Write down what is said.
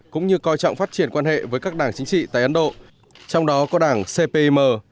cũng như coi trọng phát triển quan hệ với các đảng chính trị tại ấn độ trong đó có đảng cpm